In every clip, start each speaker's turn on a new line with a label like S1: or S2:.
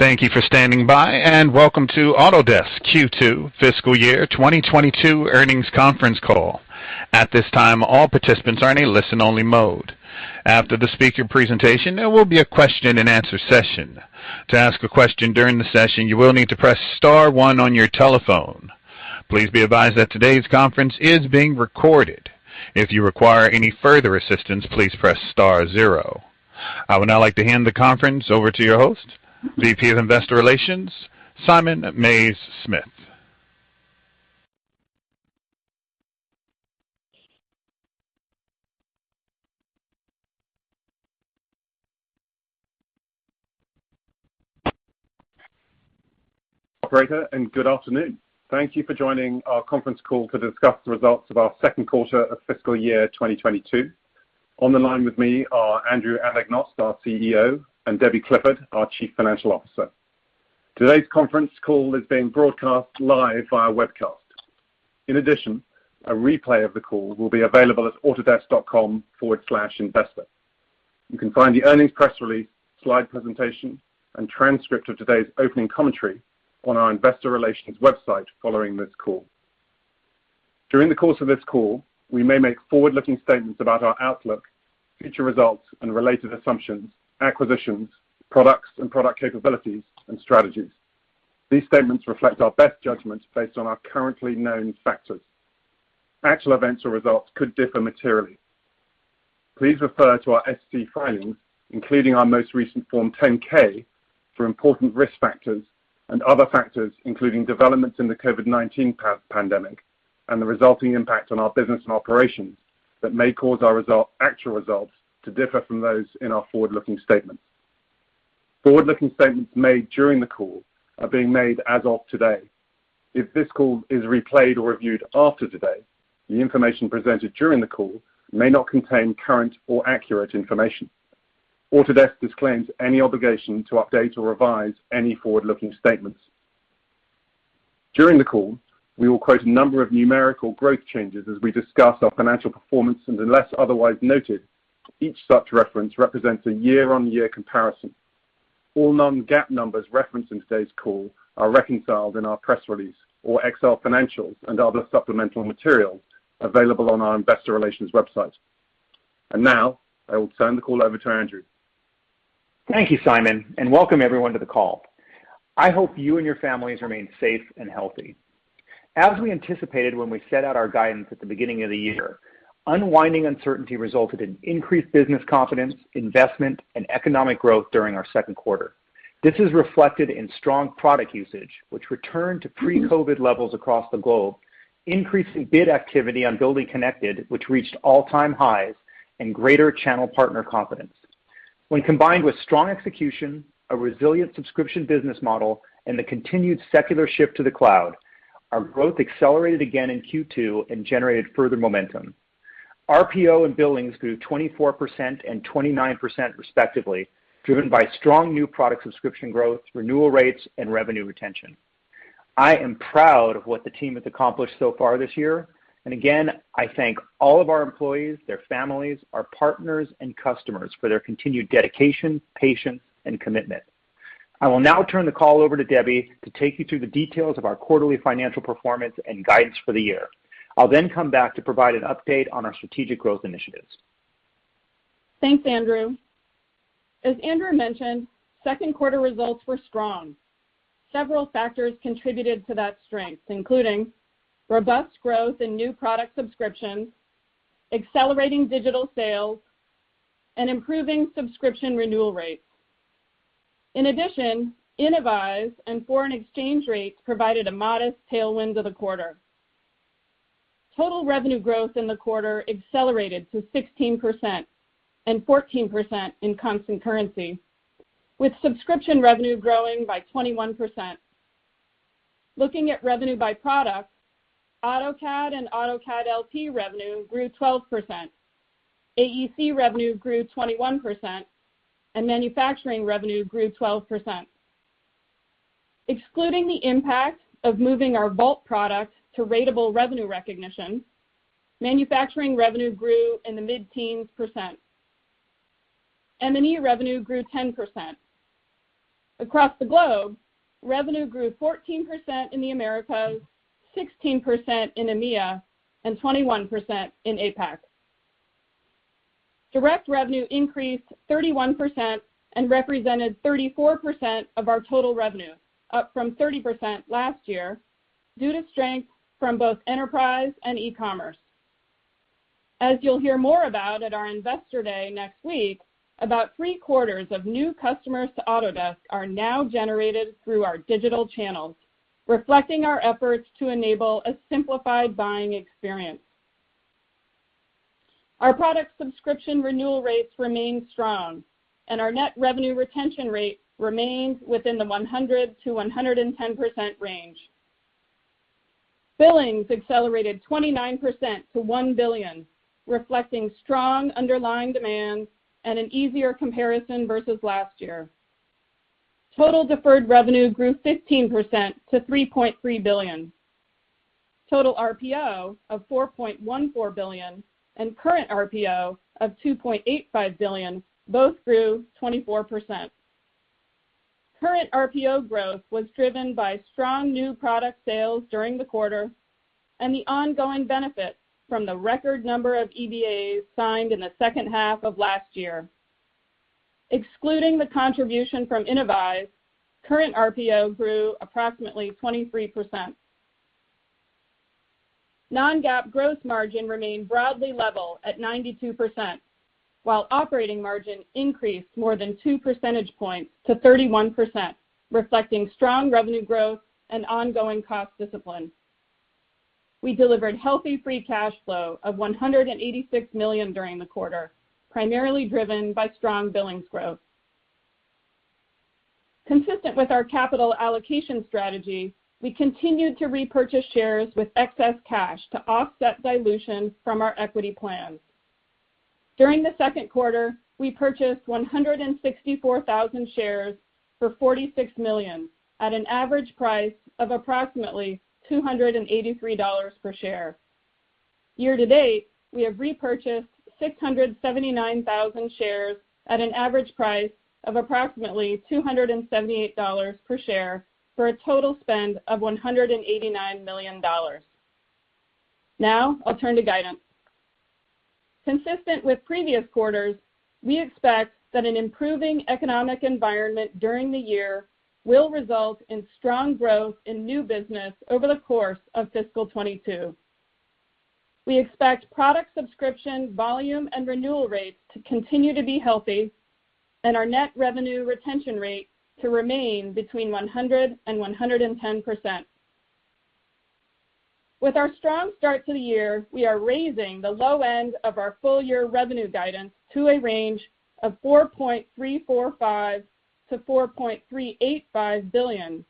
S1: Thank you for standing by, and welcome to Autodesk's Q2 Fiscal Year 2022 earnings conference call. At this time, all participants are in a listen-only mode. After the speaker presentation, there will be a question-and-answer session. To ask a question during the session, you'll need to press star one on your telephone. Please be advised that today's conference is being recorded. If you require any further assistance please press star zero. I would now like to hand the conference over to your host, VP of Investor Relations, Simon Mays-Smith.
S2: Great, good afternoon. Thank you for joining our conference call to discuss the results of our second quarter of fiscal year 2022. On the line with me are Andrew Anagnost, our CEO, and Debbie Clifford, our Chief Financial Officer. Today's conference call is being broadcast live via webcast. In addition, a replay of the call will be available at autodesk.com/investor. You can find the earnings press release, slide presentation, and transcript of today's opening commentary on our investor relations website following this call. During the course of this call, we may make forward-looking statements about our outlook, future results and related assumptions, acquisitions, products, and product capabilities and strategies. These statements reflect our best judgments based on our currently known factors. Actual events or results could differ materially. Please refer to our SEC filings, including our most recent Form 10-K, for important risk factors and other factors, including developments in the COVID-19 pandemic and the resulting impact on our business and operations that may cause our actual results to differ from those in our forward-looking statements. Forward-looking statements made during the call are being made as of today. If this call is replayed or reviewed after today, the information presented during the call may not contain current or accurate information. Autodesk disclaims any obligation to update or revise any forward-looking statements. During the call, we will quote a number of numerical growth changes as we discuss our financial performance, and unless otherwise noted, each such reference represents a year-on-year comparison. All non-GAAP numbers referenced in today's call are reconciled in our press release or Excel financials and other supplemental materials available on our investor relations website. Now, I will turn the call over to Andrew.
S3: Thank you, Simon, and welcome everyone to the call. I hope you and your families remain safe and healthy. As we anticipated when we set out our guidance at the beginning of the year, unwinding uncertainty resulted in increased business confidence, investment, and economic growth during our second quarter. This is reflected in strong product usage, which returned to pre-COVID levels across the globe, increasing bid activity on BuildingConnected, which reached all-time highs, and greater channel partner confidence. When combined with strong execution, a resilient subscription business model, and the continued secular shift to the cloud, our growth accelerated again in Q2 and generated further momentum. RPO and billings grew 24% and 29% respectively, driven by strong new product subscription growth, renewal rates, and revenue retention. I am proud of what the team has accomplished so far this year, and again, I thank all of our employees, their families, our partners, and customers for their continued dedication, patience, and commitment. I will now turn the call over to Debbie Clifford to take you through the details of our quarterly financial performance and guidance for the year. I'll then come back to provide an update on our strategic growth initiatives.
S4: Thanks, Andrew. As Andrew mentioned, second quarter results were strong. Several factors contributed to that strength, including robust growth in new product subscriptions, accelerating digital sales, and improving subscription renewal rates. In addition, Innovyze and foreign exchange rates provided a modest tailwind to the quarter. Total revenue growth in the quarter accelerated to 16% and 14% in constant currency, with subscription revenue growing by 21%. Looking at revenue by product, AutoCAD and AutoCAD LT revenue grew 12%, AEC revenue grew 21%, and manufacturing revenue grew 12%. Excluding the impact of moving our Vault product to ratable revenue recognition, manufacturing revenue grew in the mid-teens percent. M&E revenue grew 10%. Across the globe, revenue grew 14% in the Americas, 16% in EMEA, and 21% in APAC. Direct revenue increased 31% and represented 34% of our total revenue, up from 30% last year, due to strength from both enterprise and e-commerce. As you'll hear more about at our Investor Day next week, about 3/4 of new customers to Autodesk are now generated through our digital channels, reflecting our efforts to enable a simplified buying experience. Our product subscription renewal rates remain strong, and our net revenue retention rate remains within the 100%-110% range. Billings accelerated 29% to $1 billion, reflecting strong underlying demand and an easier comparison versus last year. Total deferred revenue grew 15% to $3.3 billion. Total RPO of $4.14 billion and current RPO of $2.85 billion, both grew 24%. Current RPO growth was driven by strong new product sales during the quarter and the ongoing benefits from the record number of EBAs signed in the second half of last year. Excluding the contribution from Innovyze, current RPO grew approximately 23%. Non-GAAP growth margin remained broadly level at 92%, while operating margin increased more than two percentage points to 31%, reflecting strong revenue growth and ongoing cost discipline. We delivered healthy free cash flow of $186 million during the quarter, primarily driven by strong billings growth. Consistent with our capital allocation strategy, we continued to repurchase shares with excess cash to offset dilution from our equity plans. During the second quarter, we purchased 164,000 shares for $46 million at an average price of approximately $283 per share. Year to date, we have repurchased 679,000 shares at an average price of approximately $278 per share for a total spend of $189 million. I'll turn to guidance. Consistent with previous quarters, we expect that an improving economic environment during the year will result in strong growth in new business over the course of fiscal 2022. We expect product subscription volume and renewal rates to continue to be healthy and our net revenue retention rate to remain between 100% and 110%. With our strong start to the year, we are raising the low end of our full year revenue guidance to a range of $4.345 billion-$4.385 billion,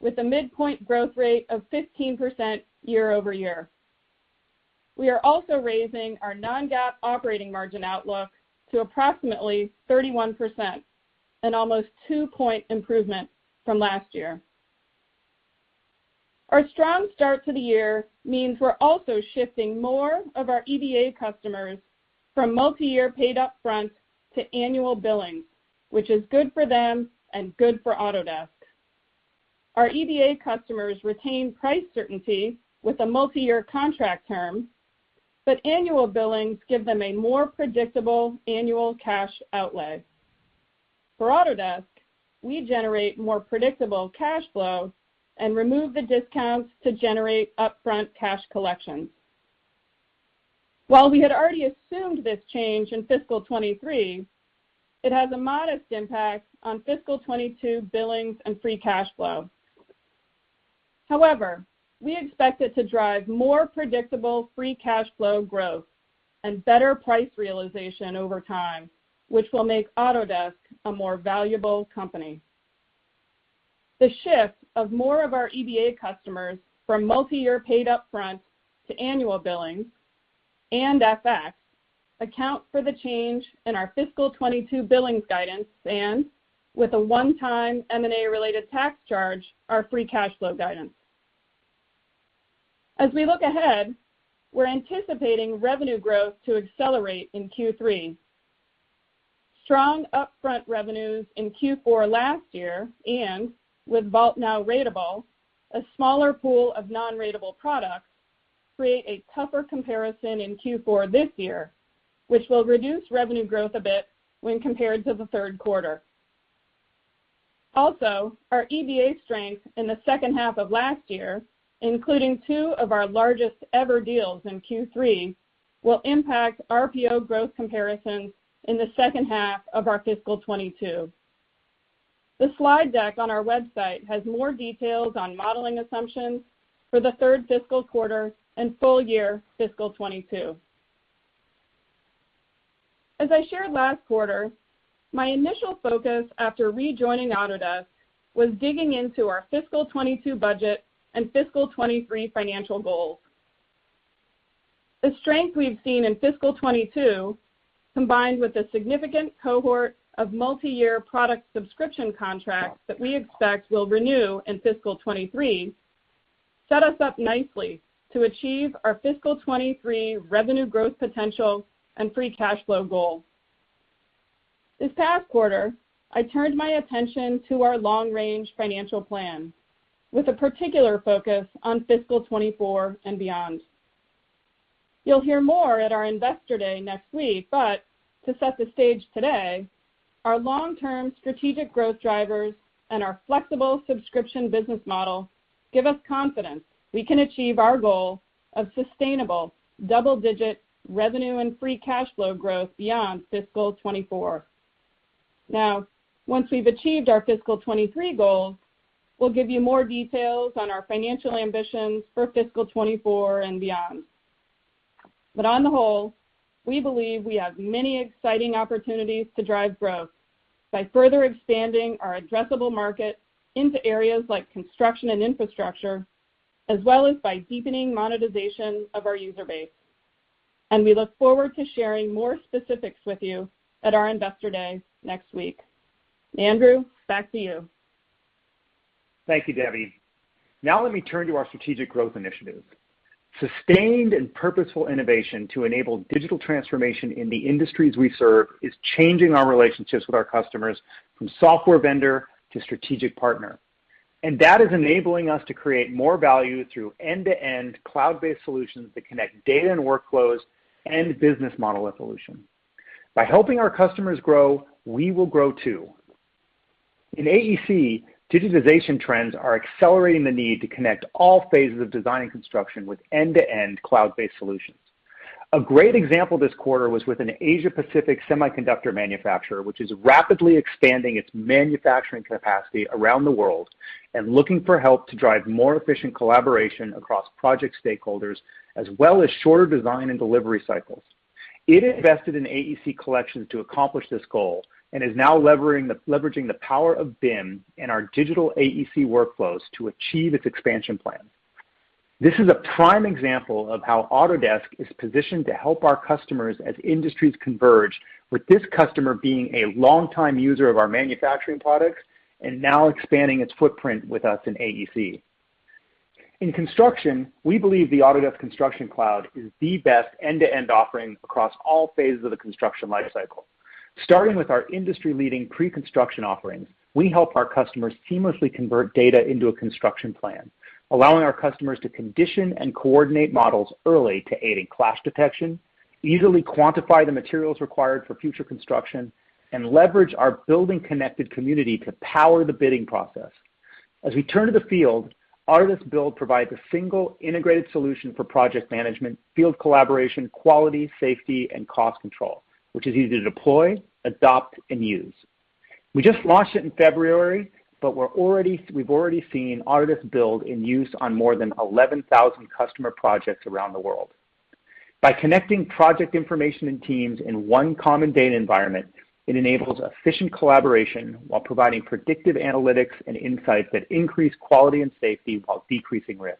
S4: with a midpoint growth rate of 15% year-over-year. We are also raising our non-GAAP operating margin outlook to approximately 31%, an almost two-point improvement from last year. Our strong start to the year means we're also shifting more of our EBA customers from multi-year paid upfront to annual billings, which is good for them and good for Autodesk. Our EBA customers retain price certainty with a multi-year contract term, but annual billings give them a more predictable annual cash outlay. For Autodesk, we generate more predictable cash flow and remove the discounts to generate upfront cash collections. While we had already assumed this change in fiscal 2023, it has a modest impact on fiscal 2022 billings and free cash flow. However, we expect it to drive more predictable free cash flow growth and better price realization over time, which will make Autodesk a more valuable company. The shift of more of our EBA customers from multi-year paid upfront to annual billings and FX account for the change in our fiscal 2022 billings guidance and with a one-time M&A related tax charge, our free cash flow guidance. As we look ahead, we're anticipating revenue growth to accelerate in Q3. Strong upfront revenues in Q4 last year and, with Vault now ratable, a smaller pool of non-ratable products create a tougher comparison in Q4 this year, which will reduce revenue growth a bit when compared to the third quarter. Our EBA strength in the second half of last year, including two of our largest ever deals in Q3, will impact RPO growth comparisons in the second half of our fiscal 2022. The slide deck on our website has more details on modeling assumptions for the third fiscal quarter and full year fiscal 2022. As I shared last quarter, my initial focus after rejoining Autodesk was digging into our fiscal 2022 budget and fiscal 2023 financial goals. The strength we've seen in fiscal 2022, combined with a significant cohort of multi-year product subscription contracts that we expect will renew in fiscal 2023, set us up nicely to achieve our fiscal 2023 revenue growth potential and free cash flow goals. This past quarter, I turned my attention to our long-range financial plan, with a particular focus on fiscal 2024 and beyond. You'll hear more at our Investor Day next week, but to set the stage today, our long-term strategic growth drivers and our flexible subscription business model give us confidence we can achieve our goal of sustainable double-digit revenue and free cash flow growth beyond fiscal 2024. Now, once we've achieved our fiscal 2023 goals, we'll give you more details on our financial ambitions for fiscal 2024 and beyond. On the whole, we believe we have many exciting opportunities to drive growth by further expanding our addressable market into areas like construction and infrastructure, as well as by deepening monetization of our user base. We look forward to sharing more specifics with you at our Investor Day next week. Andrew, back to you.
S3: Thank you, Debbie. Let me turn to our strategic growth initiatives. Sustained and purposeful innovation to enable digital transformation in the industries we serve is changing our relationships with our customers from software vendor to strategic partner. That is enabling us to create more value through end-to-end cloud-based solutions that connect data and workflows and business model evolution. By helping our customers grow, we will grow too. In AEC, digitization trends are accelerating the need to connect all phases of design and construction with end-to-end cloud-based solutions. A great example this quarter was with an Asia Pacific semiconductor manufacturer, which is rapidly expanding its manufacturing capacity around the world and looking for help to drive more efficient collaboration across project stakeholders, as well as shorter design and delivery cycles. It invested in AEC Collection to accomplish this goal and is now leveraging the power of BIM and our digital AEC workflows to achieve its expansion plan. This is a prime example of how Autodesk is positioned to help our customers as industries converge, with this customer being a longtime user of our manufacturing products and now expanding its footprint with us in AEC. In construction, we believe the Autodesk Construction Cloud is the best end-to-end offering across all phases of the construction life cycle. Starting with our industry-leading pre-construction offerings, we help our customers seamlessly convert data into a construction plan, allowing our customers to condition and coordinate models early to aid in clash detection, easily quantify the materials required for future construction, and leverage our BuildingConnected community to power the bidding process. As we turn to the field, Autodesk Build provides a single integrated solution for project management, field collaboration, quality, safety, and cost control, which is easy to deploy, adopt, and use. We just launched it in February, but we've already seen Autodesk Build in use on more than 11,000 customer projects around the world. By connecting project information and teams in one common data environment, it enables efficient collaboration while providing predictive analytics and insights that increase quality and safety while decreasing risk.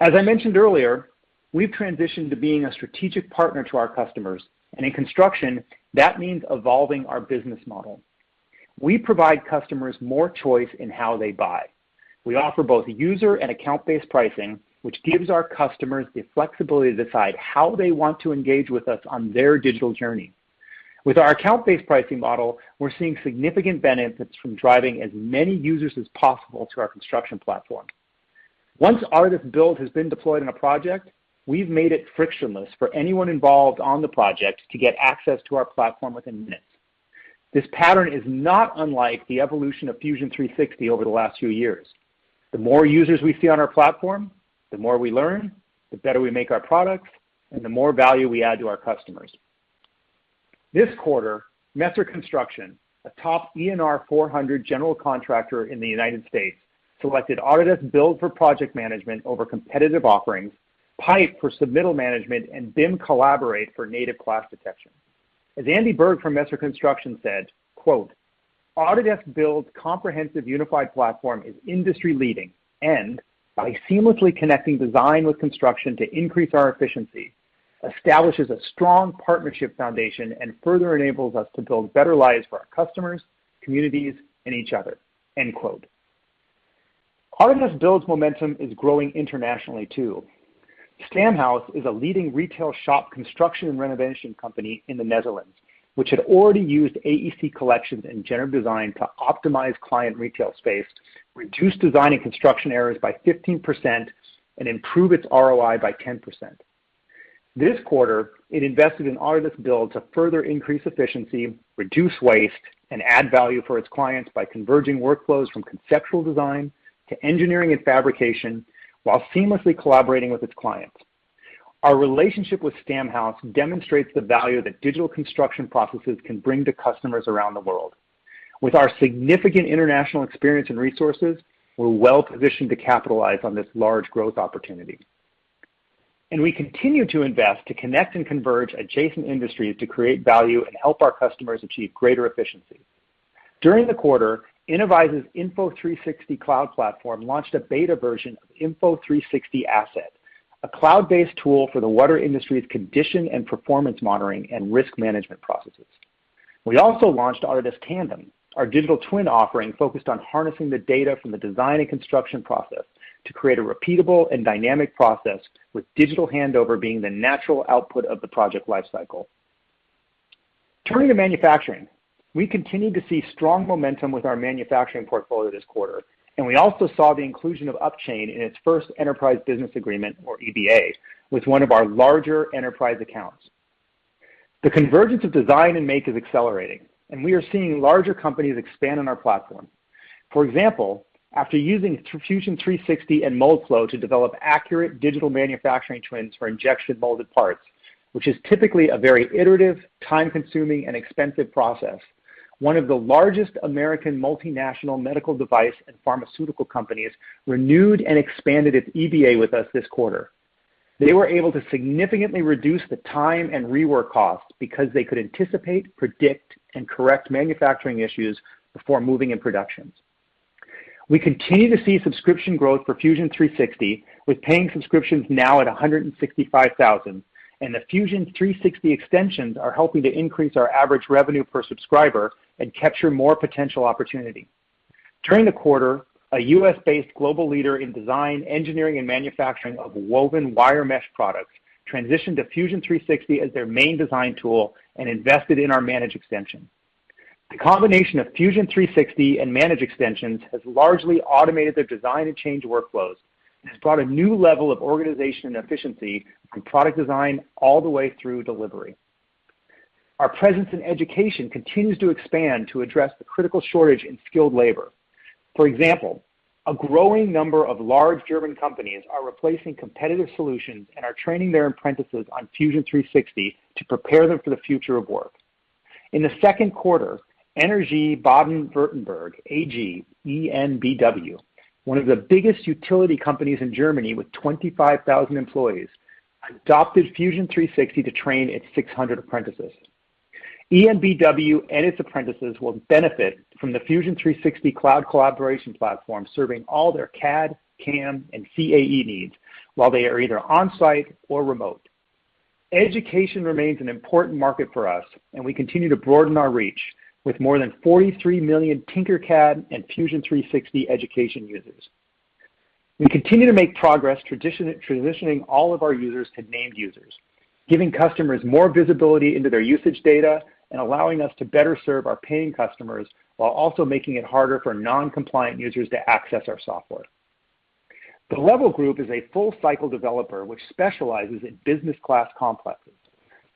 S3: As I mentioned earlier, we've transitioned to being a strategic partner to our customers, and in construction, that means evolving our business model. We provide customers more choice in how they buy. We offer both user and account-based pricing, which gives our customers the flexibility to decide how they want to engage with us on their digital journey. With our account-based pricing model, we're seeing significant benefits from driving as many users as possible to our construction platform. Once Autodesk Build has been deployed on a one project, we've made it frictionless for anyone involved on the project to get access to our platform within minutes. This pattern is not unlike the evolution of Fusion 360 over the last few years. The more users we see on our platform, the more we learn, the better we make our products, and the more value we add to our customers. This quarter, Messer Construction, a top ENR 400 general contractor in the U.S., selected Autodesk Build for project management over competitive offerings, Pype for submittal management, and BIM Collaborate for native clash detection. As Andy Burg from Messer Construction said, quote, "Autodesk Build's comprehensive unified platform is industry-leading and, by seamlessly connecting design with construction to increase our efficiency, establishes a strong partnership foundation and further enables us to build better lives for our customers, communities, and each other." End quote. Autodesk Build's momentum is growing internationally, too. Stamhuis is a leading retail shop construction and renovation company in the Netherlands, which had already used AEC Collection and generative design to optimize client retail space, reduce design and construction errors by 15%, and improve its ROI by 10%. This quarter, it invested in Autodesk Build to further increase efficiency, reduce waste, and add value for its clients by converging workflows from conceptual design to engineering and fabrication while seamlessly collaborating with its clients. Our relationship with Stamhuis demonstrates the value that digital construction processes can bring to customers around the world. With our significant international experience and resources, we're well-positioned to capitalize on this large growth opportunity. We continue to invest to connect and converge adjacent industries to create value and help our customers achieve greater efficiency. During the quarter, Innovyze's Info360 cloud platform launched a beta version of Info360 Asset, a cloud-based tool for the water industry's condition and performance monitoring and risk management processes. We also launched Autodesk Tandem, our digital twin offering focused on harnessing the data from the design and construction process to create a repeatable and dynamic process, with digital handover being the natural output of the project life cycle. Turning to manufacturing, we continue to see strong momentum with our manufacturing portfolio this quarter, and we also saw the inclusion of Upchain in its first enterprise business agreement, or EBA, with one of our larger enterprise accounts. The convergence of design and make is accelerating, and we are seeing larger companies expand on our platform. For example, after using Fusion 360 and Moldflow to develop accurate digital manufacturing twins for injection molded parts, which is typically a very iterative, time-consuming, and expensive process, one of the largest American multinational medical device and pharmaceutical companies renewed and expanded its EBA with us this quarter. They were able to significantly reduce the time and rework costs because they could anticipate, predict, and correct manufacturing issues before moving in productions. We continue to see subscription growth for Fusion 360, with paying subscriptions now at 165,000. The Fusion 360 extensions are helping to increase our average revenue per subscriber and capture more potential opportunity. During the quarter, a U.S.-based global leader in design, engineering, and manufacturing of woven wire mesh products transitioned to Fusion 360 as their main design tool and invested in our Manage extension. The combination of Fusion 360 and Manage extensions has largely automated their design and change workflows and has brought a new level of organization and efficiency from product design all the way through delivery. Our presence in education continues to expand to address the critical shortage in skilled labor. For example, a growing number of large German companies are replacing competitive solutions and are training their apprentices on Fusion 360 to prepare them for the future of work. In the second quarter, Energie Baden-Württemberg AG, EnBW, one of the biggest utility companies in Germany with 25,000 employees, adopted Fusion 360 to train its 600 apprentices. EnBW and its apprentices will benefit from the Fusion 360 cloud collaboration platform, serving all their CAD, CAM, and CAE needs while they are either on-site or remote. Education remains an important market for us, and we continue to broaden our reach with more than 43 million Tinkercad and Fusion 360 education users. We continue to make progress transitioning all of our users to named users, giving customers more visibility into their usage data and allowing us to better serve our paying customers, while also making it harder for non-compliant users to access our software. The Level Group is a full-cycle developer which specializes in business-class complexes.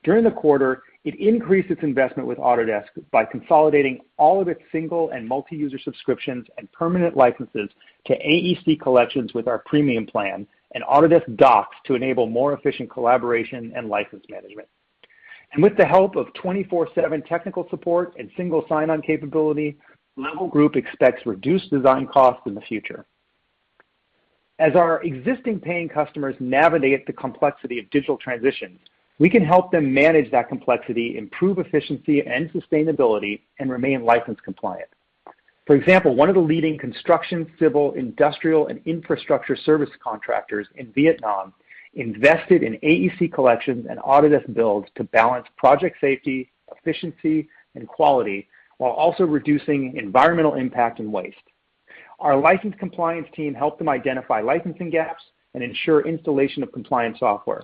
S3: During the quarter, it increased its investment with Autodesk by consolidating all of its single and multi-user subscriptions and permanent licenses to AEC Collection with our premium plan and Autodesk Docs to enable more efficient collaboration and license management. With the help of 24/7 technical support and single sign-on capability, Level Group expects reduced design costs in the future. As our existing paying customers navigate the complexity of digital transitions, we can help them manage that complexity, improve efficiency and sustainability, and remain license compliant. For example, one of the leading construction, civil, industrial, and infrastructure service contractors in Vietnam invested in AEC Collection and Autodesk Build to balance project safety, efficiency, and quality, while also reducing environmental impact and waste. Our license compliance team helped them identify licensing gaps and ensure installation of compliant software.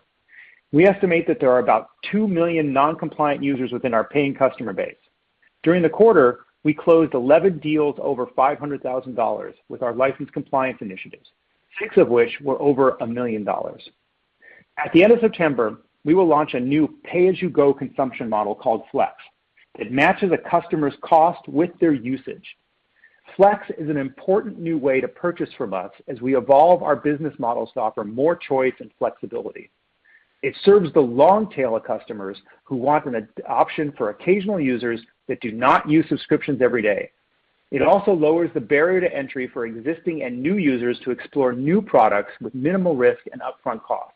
S3: We estimate that there are about 2 million non-compliant users within our paying customer base. During the quarter, we closed 11 deals over $500,000 with our license compliance initiatives, six of which were over $1 million. At the end of September, we will launch a new pay-as-you-go consumption model called Flex that matches a customer's cost with their usage. Flex is an important new way to purchase from us as we evolve our business models to offer more choice and flexibility. It serves the long tail of customers who want an option for occasional users that do not use subscriptions every day. It also lowers the barrier to entry for existing and new users to explore new products with minimal risk and upfront cost.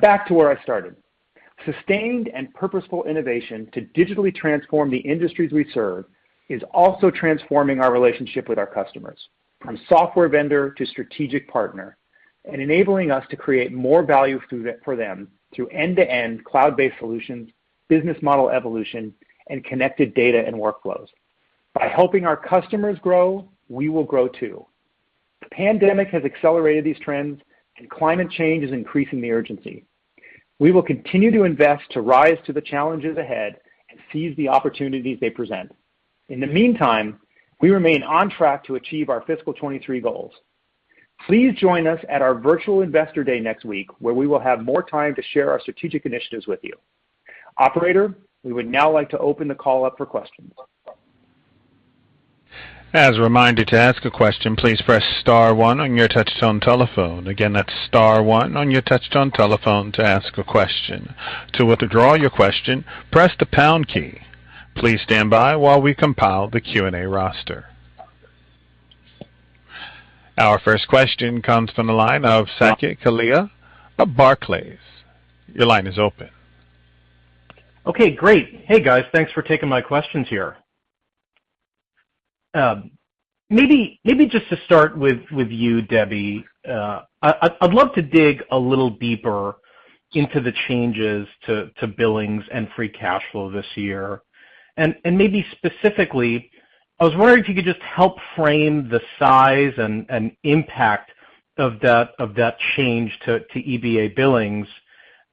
S3: Back to where I started. Sustained and purposeful innovation to digitally transform the industries we serve is also transforming our relationship with our customers, from software vendor to strategic partner, and enabling us to create more value for them through end-to-end cloud-based solutions, business model evolution, and connected data and workflows. By helping our customers grow, we will grow too. The pandemic has accelerated these trends, and climate change is increasing the urgency. We will continue to invest to rise to the challenges ahead and seize the opportunities they present. In the meantime, we remain on track to achieve our fiscal 2023 goals. Please join us at our virtual Investor Day next week, where we will have more time to share our strategic initiatives with you. Operator, we would now like to open the call up for questions.
S1: As a reminder to ask a question please press star one on your touch tone telephone. Again that's star one on your touch tone telephone to ask a question. To withdraw your question press the pound key. Please stand by while we compile the Q&A roster. Our first question comes from the line of Saket Kalia of Barclays. Your line is open.
S5: Okay, great. Hey, guys. Thanks for taking my questions here. Maybe just to start with you, Debbie. I'd love to dig a little deeper into the changes to billings and free cash flow this year, and maybe specifically, I was wondering if you could just help frame the size and impact of that change to EBA billings.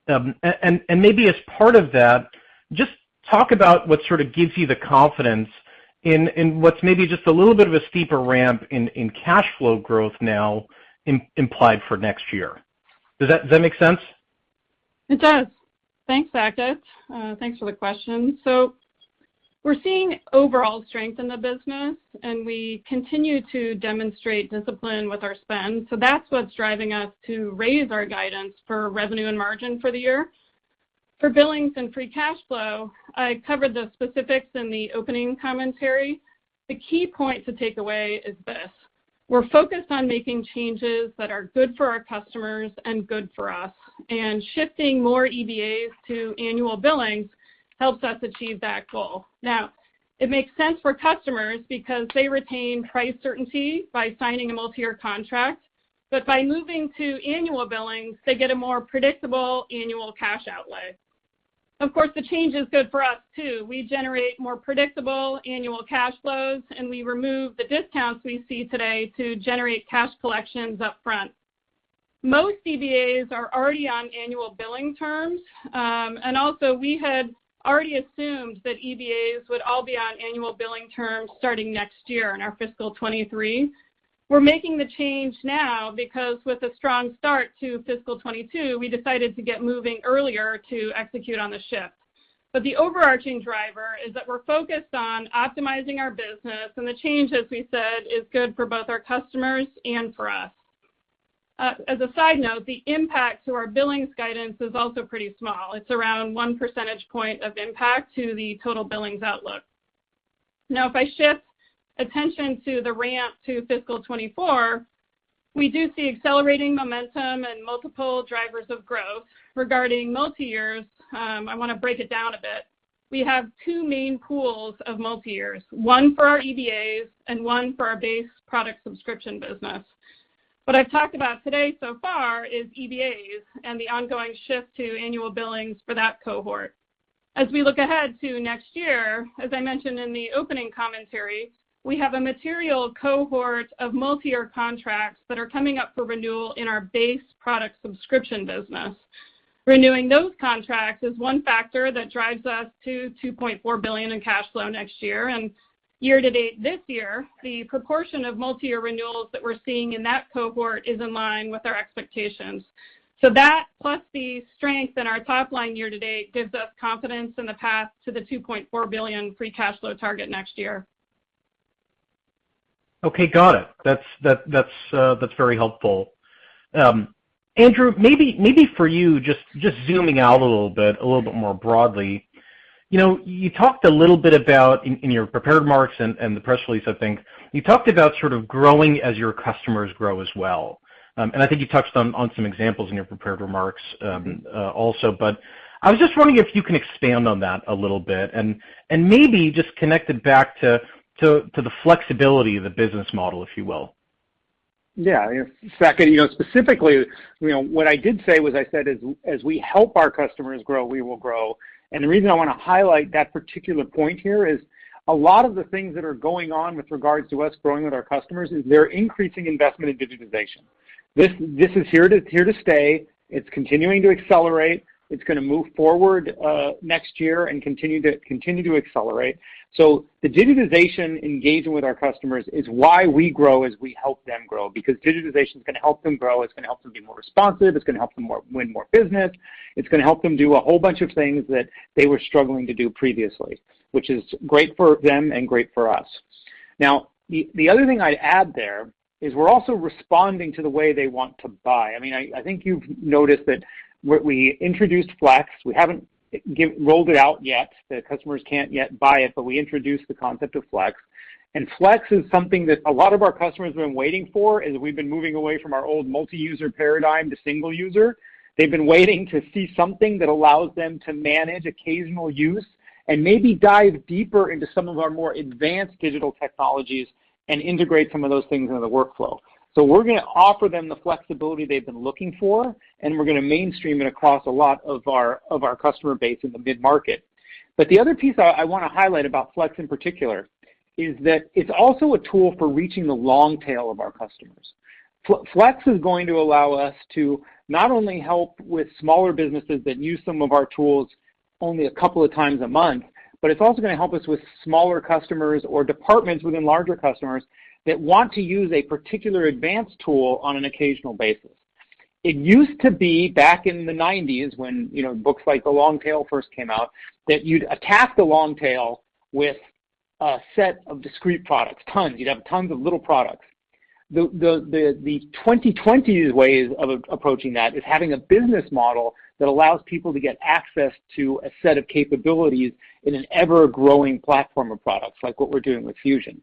S5: Maybe as part of that, just talk about what sort of gives you the confidence in what's maybe just a little bit of a steeper ramp in cash flow growth now implied for next year. Does that make sense?
S4: It does. Thanks, Saket. Thanks for the question. We're seeing overall strength in the business, and we continue to demonstrate discipline with our spend. That's what's driving us to raise our guidance for revenue and margin for the year. For billings and free cash flow, I covered the specifics in the opening commentary. The key point to take away is this. We're focused on making changes that are good for our customers and good for us, and shifting more EBAs to annual billings helps us achieve that goal. It makes sense for customers because they retain price certainty by signing a multi-year contract. By moving to annual billings, they get a more predictable annual cash outlay. Of course, the change is good for us, too. We generate more predictable annual cash flows, and we remove the discounts we see today to generate cash collections upfront. Most EBAs are already on annual billing terms. We had already assumed that EBAs would all be on annual billing terms starting next year, in our fiscal 2023. We're making the change now because with a strong start to fiscal 2022, we decided to get moving earlier to execute on the shift. The overarching driver is that we're focused on optimizing our business, and the change, as we said, is good for both our customers and for us. As a side note, the impact to our billings guidance is also pretty small. It's around 1 percentage point of impact to the total billings outlook. If I shift attention to the ramp to fiscal 2024, we do see accelerating momentum and multiple drivers of growth. Regarding multi-years, I want to break it down a bit. We have two main pools of multi-years, one for our EBAs and one for our base product subscription business. What I've talked about today so far is EBAs and the ongoing shift to annual billings for that cohort. As we look ahead to next year, as I mentioned in the opening commentary, we have a material cohort of multi-year contracts that are coming up for renewal in our base product subscription business. Renewing those contracts is one factor that drives us to $2.4 billion in cash flow next year. Year to date this year, the proportion of multi-year renewals that we're seeing in that cohort is in line with our expectations. That, plus the strength in our top line year to date, gives us confidence in the path to the $2.4 billion free cash flow target next year.
S5: Okay, got it. That is very helpful. Andrew, maybe for you, just zooming out a little bit more broadly. You talked a little bit about, in your prepared remarks and the press release, I think, you talked about sort of growing as your customers grow as well. I think you touched on some examples in your prepared remarks also, but I was just wondering if you can expand on that a little bit and maybe just connect it back to the flexibility of the business model, if you will.
S3: Yeah. Saket, specifically, what I did say was I said, as we help our customers grow, we will grow. The reason I want to highlight that particular point here is a lot of the things that are going on with regards to us growing with our customers is their increasing investment in digitization. This is here to stay. It's continuing to accelerate. It's going to move forward next year and continue to accelerate. The digitization engagement with our customers is why we grow as we help them grow, because digitization's going to help them grow, it's going to help them be more responsive, it's going to help them win more business. It's going to help them do a whole bunch of things that they were struggling to do previously, which is great for them and great for us. The other thing I'd add there is we're also responding to the way they want to buy. I think you've noticed that we introduced Flex. We haven't rolled it out yet. The customers can't yet buy it, but we introduced the concept of Flex. Flex is something that a lot of our customers have been waiting for as we've been moving away from our old multi-user paradigm to single user. They've been waiting to see something that allows them to manage occasional use and maybe dive deeper into some of our more advanced digital technologies and integrate some of those things into the workflow. We're going to offer them the flexibility they've been looking for, and we're going to mainstream it across a lot of our customer base in the mid-market. The other piece I want to highlight about Flex in particular is that it's also a tool for reaching the long tail of our customers. Flex is going to allow us to not only help with smaller businesses that use some of our tools only a couple of times a month, but it's also going to help us with smaller customers or departments within larger customers that want to use a particular advanced tool on an occasional basis. It used to be back in the '90s, when books like "The Long Tail" first came out, that you'd attack the long tail with a set of discrete products, tons. You'd have tons of little products. The 2020s ways of approaching that is having a business model that allows people to get access to a set of capabilities in an ever-growing platform of products, like what we're doing with Fusion.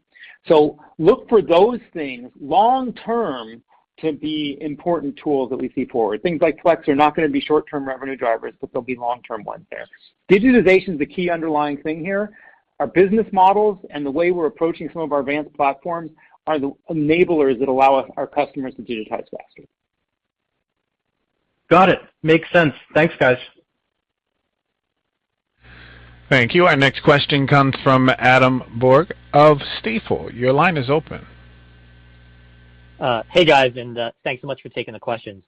S3: Look for those things long-term to be important tools that we see forward. Things like Flex are not going to be short-term revenue drivers, but they'll be long-term ones there. Digitization's the key underlying thing here. Our business models and the way we're approaching some of our advanced platforms are the enablers that allow our customers to digitize faster.
S5: Got it. Makes sense. Thanks, guys.
S1: Thank you. Our next question comes from Adam Borg of Stifel. Your line is open.
S6: Hey, guys, thanks so much for taking the questions.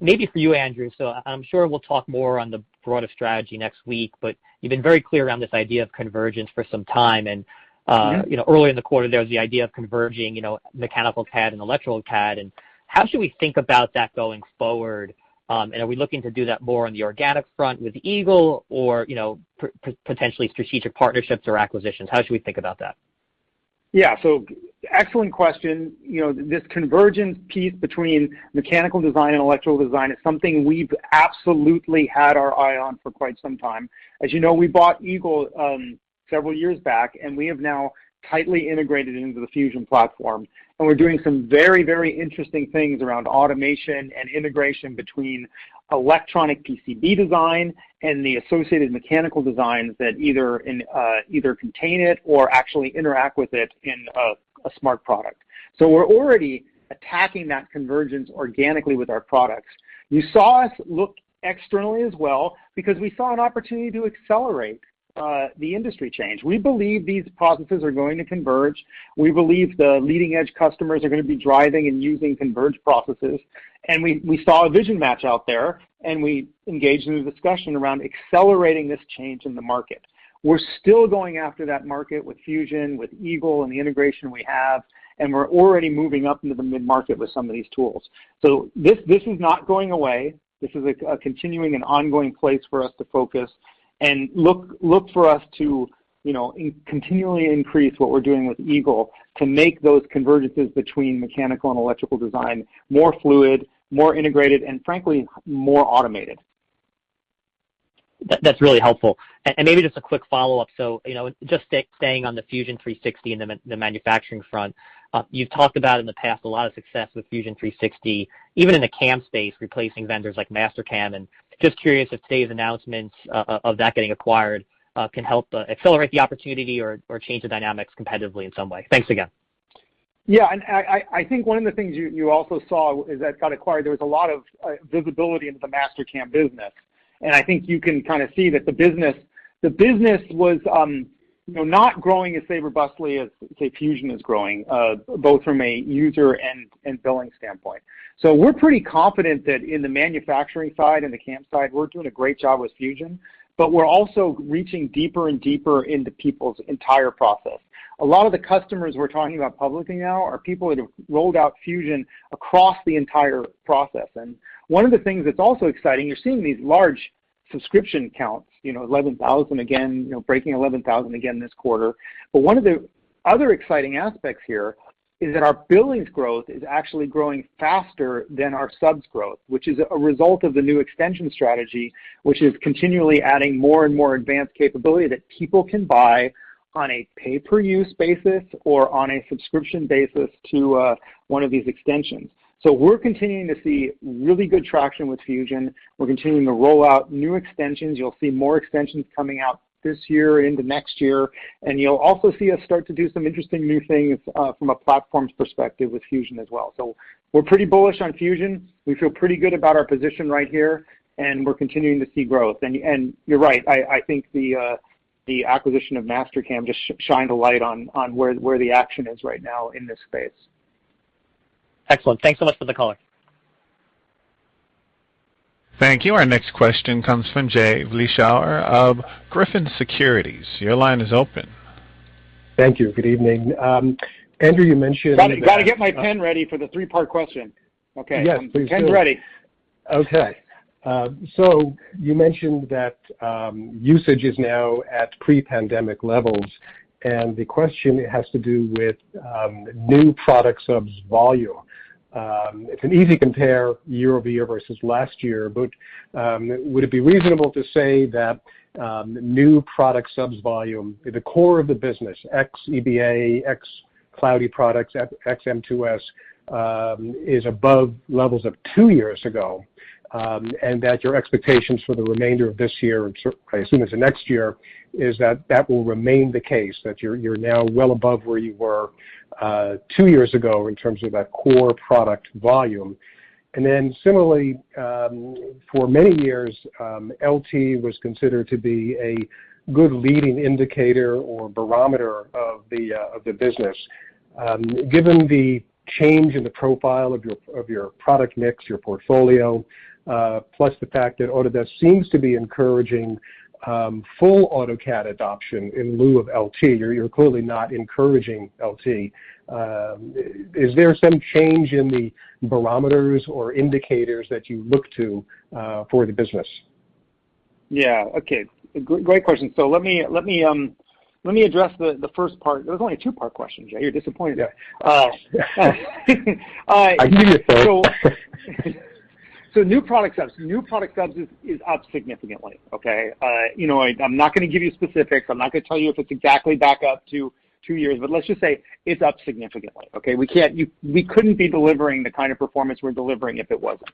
S6: Maybe for you, Andrew. I'm sure we'll talk more on the broader strategy next week, but you've been very clear around this idea of convergence for some time. Earlier in the quarter, there was the idea of converging mechanical CAD and electrical CAD, how should we think about that going forward? Are we looking to do that more on the organic front with EAGLE or potentially strategic partnerships or acquisitions? How should we think about that?
S3: Yeah. Excellent question. This convergence piece between mechanical design and electrical design is something we've absolutely had our eye on for quite some time. As you know, we bought Eagle several years back, and we have now tightly integrated it into the Fusion platform, and we're doing some very, very interesting things around automation and integration between electronic PCB design and the associated mechanical designs that either contain it or actually interact with it in a smart product. We're already attacking that convergence organically with our products. You saw us look externally as well because we saw an opportunity to accelerate the industry change. We believe these processes are going to converge. We believe the leading-edge customers are going to be driving and using converged processes. We saw a vision match out there, and we engaged in a discussion around accelerating this change in the market. We're still going after that market with Fusion, with Eagle, and the integration we have. We're already moving up into the mid-market with some of these tools. This is not going away. This is a continuing and ongoing place for us to focus and look for us to continually increase what we're doing with Eagle to make those convergences between mechanical and electrical design more fluid, more integrated, and frankly, more automated.
S6: That's really helpful. Maybe just a quick follow-up. Just staying on the Fusion 360 and the manufacturing front, you've talked about in the past a lot of success with Fusion 360, even in the CAM space, replacing vendors like Mastercam, and just curious if today's announcements of that getting acquired can help accelerate the opportunity or change the dynamics competitively in some way. Thanks again.
S3: I think one of the things you also saw is that got acquired, there was a lot of visibility into the Mastercam business, and I think you can kind of see that the business was not growing as say robustly as, say, Fusion is growing, both from a user and billing standpoint. We're pretty confident that in the manufacturing side and the CAM side, we're doing a great job with Fusion, but we're also reaching deeper and deeper into people's entire process. A lot of the customers we're talking about publicly now are people that have rolled out Fusion across the entire process. One of the things that's also exciting, you're seeing these large subscription counts, breaking 11,000 again this quarter. One of the other exciting aspects here is that our billings growth is actually growing faster than our subs growth, which is a result of the new extension strategy, which is continually adding more and more advanced capability that people can buy on a pay-per-use basis or on a subscription basis to one of these extensions. We're continuing to see really good traction with Fusion. We're continuing to roll out new extensions. You'll see more extensions coming out this year into next year, and you'll also see us start to do some interesting new things from a platforms perspective with Fusion as well. We're pretty bullish on Fusion. We feel pretty good about our position right here, and we're continuing to see growth. You're right, I think the acquisition of Mastercam just shined a light on where the action is right now in this space.
S6: Excellent. Thanks so much for the color.
S1: Thank you. Our next question comes from Jay Vleeschhouwer of Griffin Securities. Your line is open.
S7: Thank you. Good evening. Andrew, you mentioned-
S3: Got to get my pen ready for the three-part question. Okay.
S7: Yes, please do.
S3: Pen ready.
S7: You mentioned that usage is now at pre-pandemic levels, and the question has to do with new product subs volume. It's an easy compare year-over-year versus last year. Would it be reasonable to say that new product subs volume, the core of the business, ex EBA, ex cloudy products, ex M2S, is above levels of two years ago, and that your expectations for the remainder of this year and I assume into next year is that that will remain the case, that you're now well above where you were two years ago in terms of that core product volume? Similarly, for many years, LT was considered to be a good leading indicator or barometer of the business. Given the change in the profile of your product mix, your portfolio, plus the fact that Autodesk seems to be encouraging full AutoCAD adoption in lieu of LT, or you're clearly not encouraging LT, is there some change in the barometers or indicators that you look to for the business?
S3: Yeah. Okay. Great question. Let me address the first part. There was only a two-part question. You're disappointed.
S7: I knew you'd say it.
S3: New product subs is up significantly, okay? I'm not going to give you specifics. I'm not going to tell you if it's exactly back up to two years, but let's just say it's up significantly, okay? We couldn't be delivering the kind of performance we're delivering if it wasn't.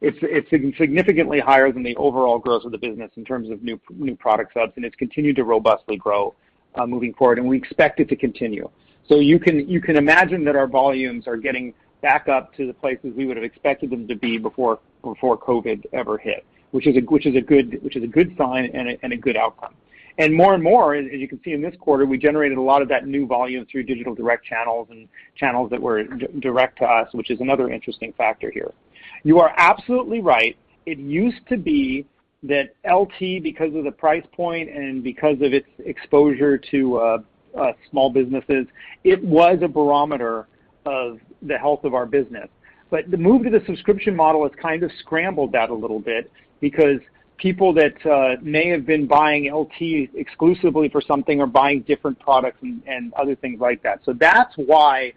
S3: It's significantly higher than the overall growth of the business in terms of new product subs, and it's continued to robustly grow moving forward, and we expect it to continue. You can imagine that our volumes are getting back up to the places we would have expected them to be before COVID ever hit, which is a good sign and a good outcome. More and more, as you can see in this quarter, we generated a lot of that new volume through digital direct channels and channels that were direct to us, which is another interesting factor here. You are absolutely right. It used to be that LT, because of the price point and because of its exposure to small businesses, it was a barometer of the health of our business. The move to the subscription model has kind of scrambled that a little bit because people that may have been buying LT exclusively for something are buying different products and other things like that. That's why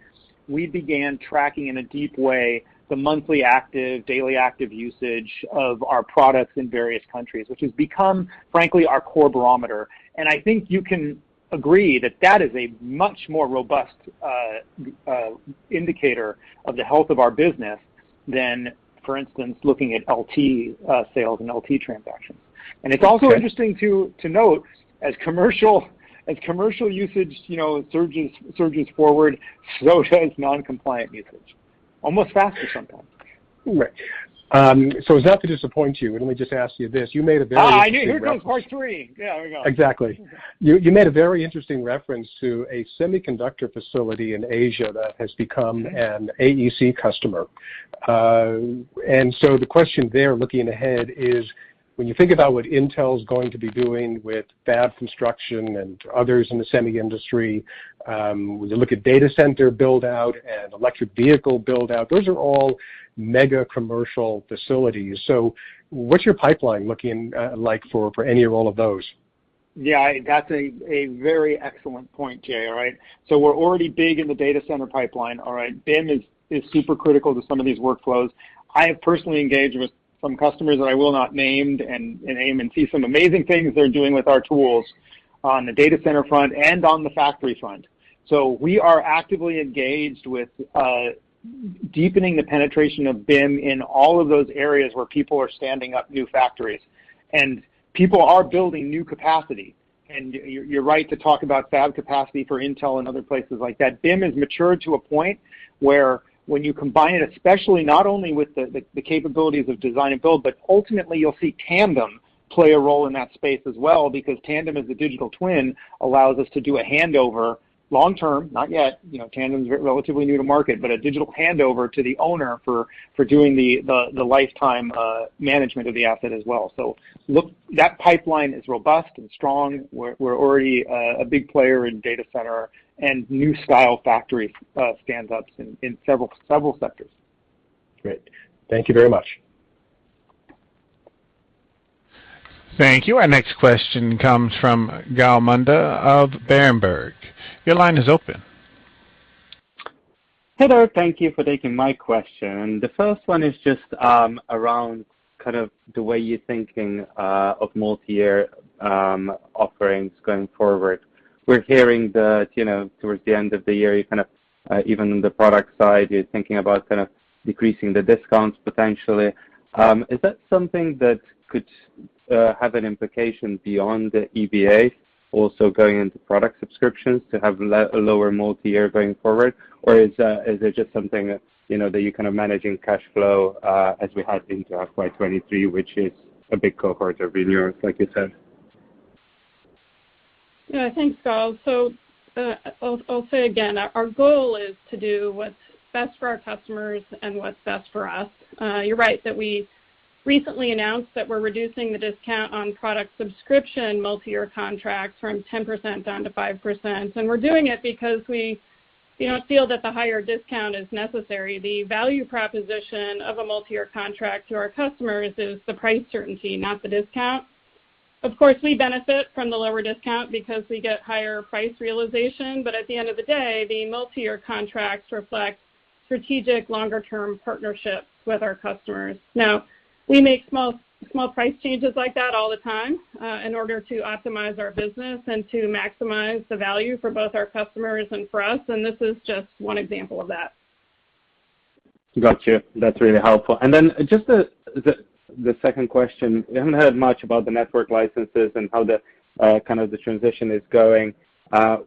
S3: we began tracking, in a deep way, the monthly active, daily active usage of our products in various countries, which has become, frankly, our core barometer. I think you can agree that that is a much more robust indicator of the health of our business than, for instance, looking at LT sales and LT transactions.
S7: Okay.
S3: It's also interesting to note, as commercial usage surges forward, so does non-compliant usage. Almost faster sometimes.
S7: Right. As not to disappoint you, let me just ask you this. You made a very interesting reference.
S3: I knew. Here comes part three. Yeah, here we go.
S7: Exactly. You made a very interesting reference to a semiconductor facility in Asia that has become an AEC customer. The question there, looking ahead, is when you think about what Intel's going to be doing with fab construction and others in the semi industry, when you look at data center build-out and electric vehicle build-out, those are all mega commercial facilities. What's your pipeline looking like for any or all of those?
S3: Yeah, that's a very excellent point, Jay. All right. We're already big in the data center pipeline. All right? BIM is super critical to some of these workflows. I have personally engaged with some customers that I will not name and see some amazing things they're doing with our tools on the data center front and on the factory front. We are actively engaged with deepening the penetration of BIM in all of those areas where people are standing up new factories, and people are building new capacity. You're right to talk about fab capacity for Intel and other places like that. BIM has matured to a point where when you combine it, especially not only with the capabilities of design and build, but ultimately you'll see Tandem play a role in that space as well, because Tandem as a digital twin allows us to do a handover long-term, not yet, Tandem's relatively new to market, but a digital handover to the owner for doing the lifetime management of the asset as well. That pipeline is robust and strong. We're already a big player in data center and new style factory stand-ups in several sectors.
S7: Great. Thank you very much.
S1: Thank you. Our next question comes from Gal Munda of Berenberg. Your line is open.
S8: Hello. Thank you for taking my question. The first one is just around kind of the way you're thinking of multi-year offerings going forward. We're hearing that towards the end of the year, even the product side, you're thinking about kind of decreasing the discounts potentially. Is that something that could have an implication beyond the EBA also going into product subscriptions to have a lower multi-year going forward? Is it just something that you're kind of managing cash flow, as we head into FY 2023, which is a big cohort of renewals, like you said?
S4: Thanks, Gal. I'll say again, our goal is to do what's best for our customers and what's best for us. You're right that we recently announced that we're reducing the discount on product subscription multi-year contracts from 10% down to 5%. We're doing it because we don't feel that the higher discount is necessary. The value proposition of a multi-year contract to our customers is the price certainty, not the discount. Of course, we benefit from the lower discount because we get higher price realization. At the end of the day, the multi-year contracts reflect strategic longer term partnerships with our customers. We make small price changes like that all the time in order to optimize our business and to maximize the value for both our customers and for us, and this is just one example of that.
S8: Got you. That's really helpful. Just the second question. We haven't heard much about the network licenses and how the transition is going. What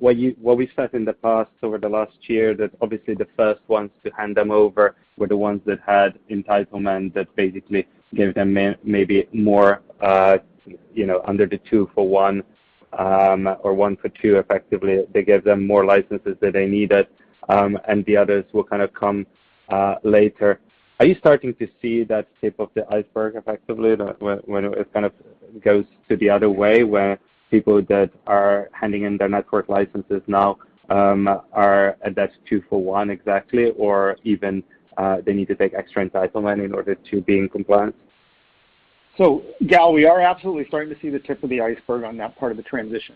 S8: we've said in the past, over the last year, that obviously the first ones to hand them over were the ones that had entitlement, that basically gave them maybe more under the two for one, or one for two, effectively, they gave them more licenses than they needed, and the others will kind of come later. Are you starting to see that tip of the iceberg, effectively, when it kind of goes to the other way, where people that are handing in their network licenses now are at that two for one exactly, or even they need to take extra entitlement in order to be in compliance?
S3: Gal, we are absolutely starting to see the tip of the iceberg on that part of the transition.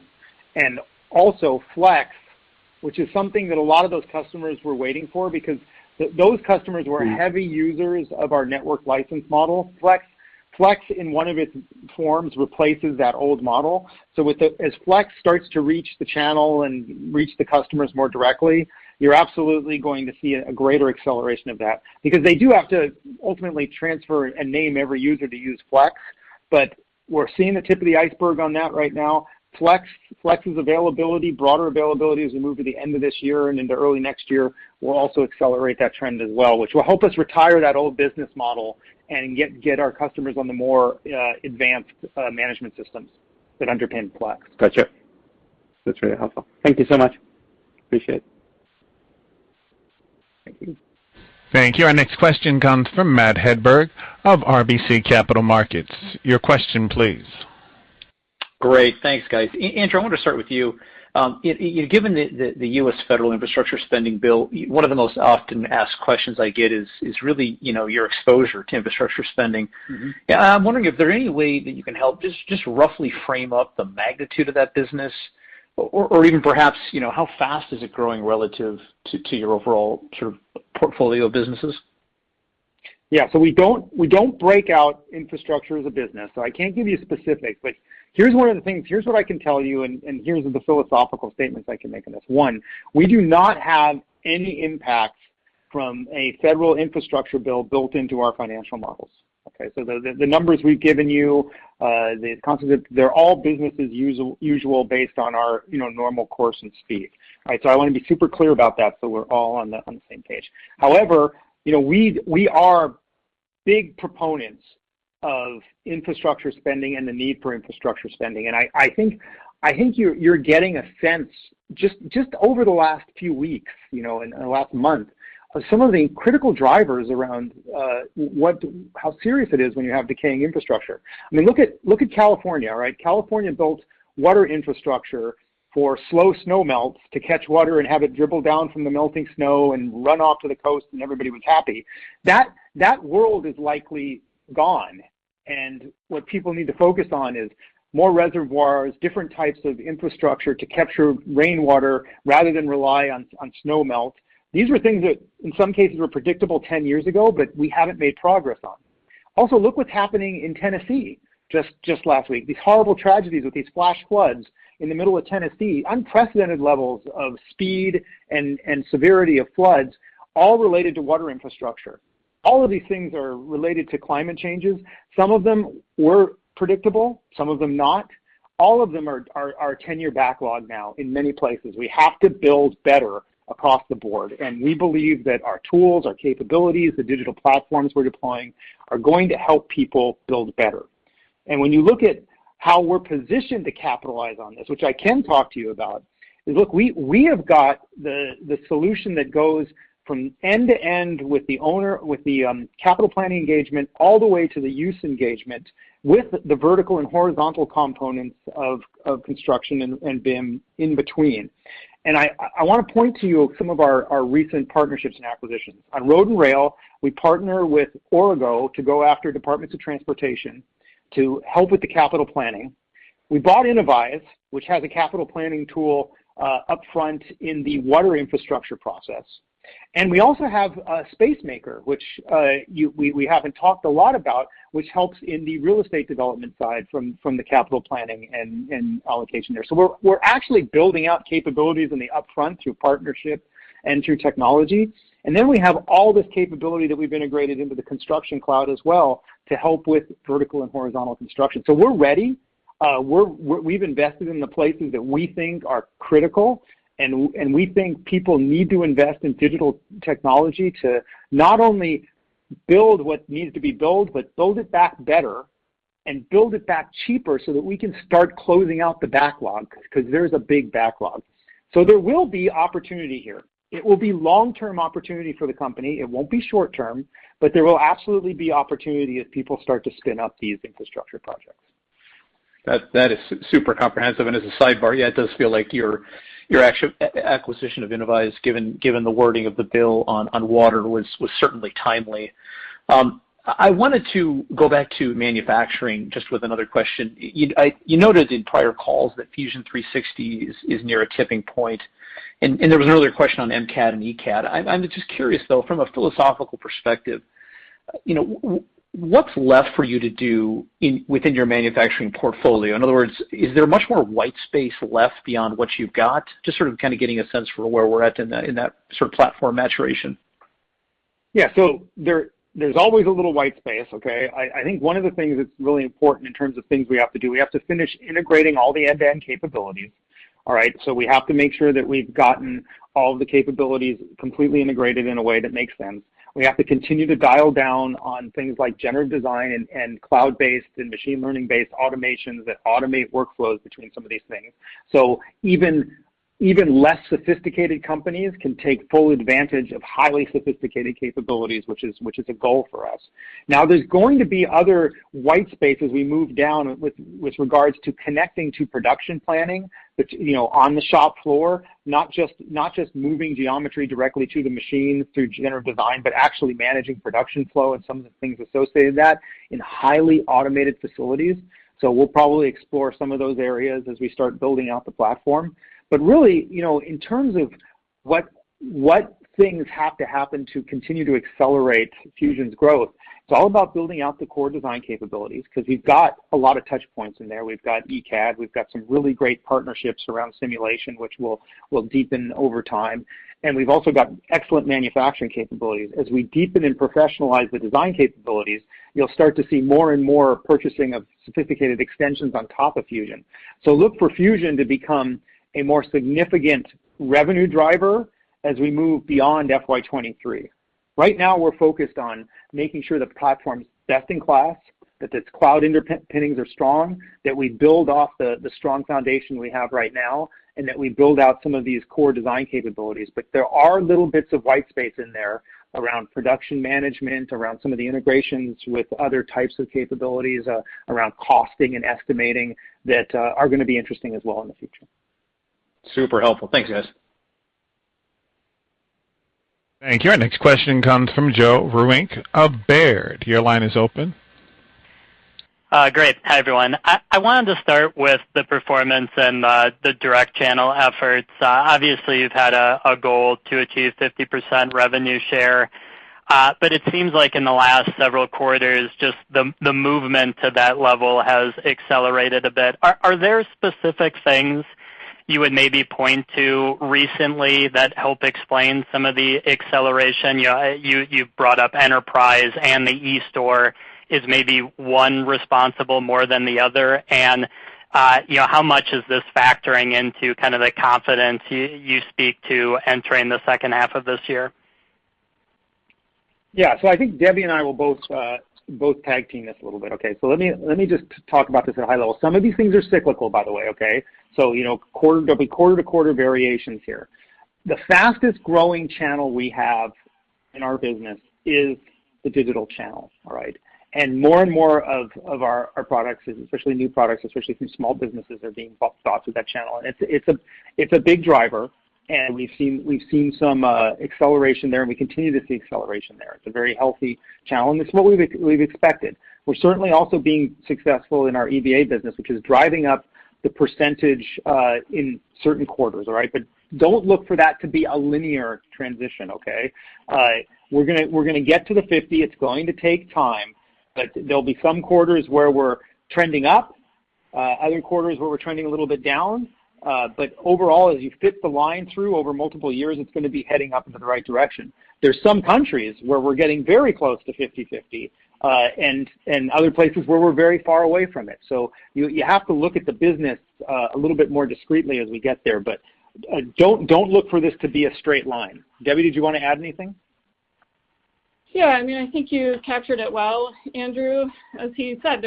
S3: Also, Flex, which is something that a lot of those customers were waiting for because those customers were heavy users of our network license model. Flex, in one of its forms, replaces that old model. As Flex starts to reach the channel and reach the customers more directly, you're absolutely going to see a greater acceleration of that. They do have to ultimately transfer and name every user to use Flex. We're seeing the tip of the iceberg on that right now. Flex's availability, broader availability, as we move to the end of this year and into early next year, will also accelerate that trend as well, which will help us retire that old business model and get our customers on the more advanced management systems that underpin Flex.
S8: Got you. That's really helpful. Thank you so much. Appreciate it.
S4: Thank you.
S1: Thank you. Our next question comes from Matt Hedberg of RBC Capital Markets. Your question please.
S9: Great. Thanks, guys. Andrew, I want to start with you. Given the U.S. federal infrastructure spending bill, one of the most often asked questions I get is really your exposure to infrastructure spending. I'm wondering if there are any way that you can help just roughly frame up the magnitude of that business, or even perhaps, how fast is it growing relative to your overall portfolio of businesses?
S3: We don't break out infrastructure as a business, so I can't give you specifics. Here's one of the things. Here's what I can tell you, and here's the philosophical statements I can make on this. One, we do not have any impact from a federal infrastructure bill built into our financial models. Okay? The numbers we've given you, the concepts, they're all business as usual based on our normal course and speed. Right? I want to be super clear about that so we're all on the same page. However, we are big proponents of infrastructure spending and the need for infrastructure spending. I think you're getting a sense, just over the last few weeks, and the last month, of some of the critical drivers around how serious it is when you have decaying infrastructure. I mean, look at California, right? California built water infrastructure for slow snow melts to catch water and have it dribble down from the melting snow and run off to the coast, and everybody was happy. That world is likely gone. What people need to focus on is more reservoirs, different types of infrastructure to capture rainwater rather than rely on snow melt. These were things that, in some cases, were predictable 10 years ago, but we haven't made progress on. Look what's happening in Tennessee, just last week. These horrible tragedies with these flash floods in the middle of Tennessee, unprecedented levels of speed and severity of floods, all related to water infrastructure. All of these things are related to climate changes. Some of them were predictable, some of them not. All of them are 10-year backlog now in many places. We have to build better across the board. We believe that our tools, our capabilities, the digital platforms we're deploying are going to help people build better. When you look at how we're positioned to capitalize on this, which I can talk to you about, is, look, we have got the solution that goes from end to end with the capital planning engagement, all the way to the use engagement with the vertical and horizontal components of construction, and BIM in between. I want to point to you some of our recent partnerships and acquisitions. On road and rail, we partner with Aurigo to go after departments of transportation to help with the capital planning. We bought Innovyze, which has a capital planning tool upfront in the water infrastructure process. We also have Spacemaker, which we haven't talked a lot about, which helps in the real estate development side from the capital planning and allocation there. We're actually building out capabilities in the upfront through partnership and through technology. Then we have all this capability that we've integrated into the Construction Cloud as well to help with vertical and horizontal construction. We're ready. We've invested in the places that we think are critical, and we think people need to invest in digital technology to not only build what needs to be built, but build it back better and build it back cheaper so that we can start closing out the backlog, because there's a big backlog. There will be opportunity here. It will be long-term opportunity for the company. It won't be short-term, but there will absolutely be opportunity as people start to spin up these infrastructure projects.
S9: That is super comprehensive. As a sidebar, yeah, it does feel like your acquisition of Innovyze, given the wording of the bill on water, was certainly timely. I wanted to go back to manufacturing just with another question. You noted in prior calls that Fusion 360 is near a tipping point, and there was an earlier question on MCAD and ECAD. I'm just curious, though, from a philosophical perspective, what's left for you to do within your manufacturing portfolio? In other words, is there much more white space left beyond what you've got? Just sort of getting a sense for where we're at in that sort of platform maturation.
S3: Yeah. There's always a little white space, okay? I think one of the things that's really important in terms of things we have to do, we have to finish integrating all the end-to-end capabilities. All right? We have to make sure that we've gotten all the capabilities completely integrated in a way that makes sense. We have to continue to dial down on things like generative design and cloud-based and machine learning-based automations that automate workflows between some of these things. Even less sophisticated companies can take full advantage of highly sophisticated capabilities, which is a goal for us. There's going to be other white spaces we move down with regards to connecting to production planning, on the shop floor, not just moving geometry directly to the machine through generative design, but actually managing production flow and some of the things associated to that in highly automated facilities. We'll probably explore some of those areas as we start building out the platform. Really, in terms of what things have to happen to continue to accelerate Fusion's growth, it's all about building out the core design capabilities, because we've got a lot of touch points in there. We've got ECAD, we've got some really great partnerships around simulation, which we'll deepen over time, and we've also got excellent manufacturing capabilities. As we deepen and professionalize the design capabilities, you'll start to see more and more purchasing of sophisticated extensions on top of Fusion. Look for Fusion to become a more significant revenue driver as we move beyond FY 2023. Right now, we're focused on making sure the platform's best in class, that its cloud underpinnings are strong, that we build off the strong foundation we have right now, and that we build out some of these core design capabilities. There are little bits of white space in there around production management, around some of the integrations with other types of capabilities, around costing and estimating, that are going to be interesting as well in the future.
S9: Super helpful. Thanks, guys.
S1: Thank you. Our next question comes from Joe Vruwink of Baird. Your line is open.
S10: Great. Hi, everyone. I wanted to start with the performance and the direct channel efforts. Obviously, you've had a goal to achieve 50% revenue share, but it seems like in the last several quarters, just the movement to that level has accelerated a bit. Are there specific things you would maybe point to recently that help explain some of the acceleration? You've brought up Enterprise and the eStore is maybe one responsible more than the other. How much is this factoring into kind of the confidence you speak to entering the second half of this year?
S3: Yeah. I think Debbie and I will both tag team this a little bit, okay? Let me just talk about this at a high level. Some of these things are cyclical, by the way, okay? There'll be quarter-to-quarter variations here. The fastest-growing channel we have in our business is the digital channel. All right? More and more of our products, especially new products, especially through small businesses, are being bought through that channel. It's a big driver, and we've seen some acceleration there, and we continue to see acceleration there. It's a very healthy channel, and it's what we've expected. We're certainly also being successful in our EBA business, which is driving up the percentage, in certain quarters, all right? Don't look for that to be a linear transition, okay? We're going to get to the 50. It's going to take time, there'll be some quarters where we're trending up, other quarters where we're trending a little bit down. Overall, as you fit the line through over multiple years, it's going to be heading up in the right direction. There's some countries where we're getting very close to 50/50, and other places where we're very far away from it. You have to look at the business a little bit more discreetly as we get there. Don't look for this to be a straight line. Debbie, did you want to add anything?
S4: Yeah, I think you captured it well, Andrew. As he said,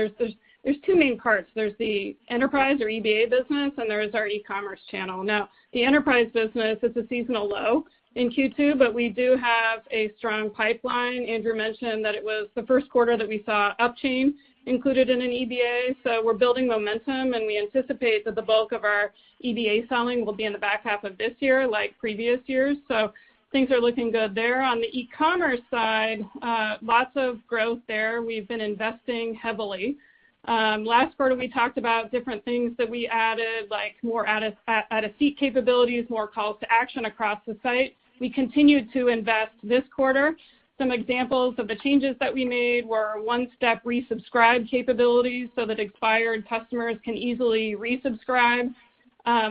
S4: there's two main parts. There's the Enterprise or EBA business, and there is our e-commerce channel. The Enterprise business is a seasonal low in Q2, we do have a strong pipeline. Andrew mentioned that it was the first quarter that we saw Upchain included in an EBA, we're building momentum, we anticipate that the bulk of our EBA selling will be in the back half of this year, like previous years. Things are looking good there. On the e-commerce side, lots of growth there. We've been investing heavily. Last quarter, we talked about different things that we added, like more add-a-seat capabilities, more calls to action across the site. We continued to invest this quarter. Some examples of the changes that we made were a one-step resubscribe capability so that expired customers can easily resubscribe.